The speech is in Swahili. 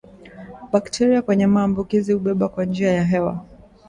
Bakteria wenye maambuki hubebwa kwa njia ya hewa